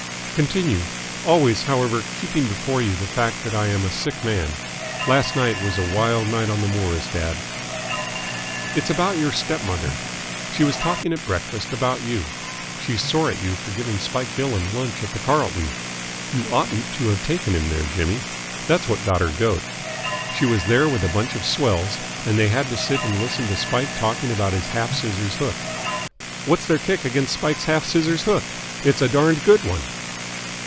"Continue always, however, keeping before you the fact that I am a sick man. Last night was a wild night on the moors, dad." "It's about your stepmother. She was talking at breakfast about you. She's sore at you for giving Spike Dillon lunch at the Carlton. You oughtn't to have taken him there, Jimmy. That's what got her goat. She was there with a bunch of swells and they had to sit and listen to Spike talking about his half scissors hook." "What's their kick against Spike's half scissors hook? It's a darned good one."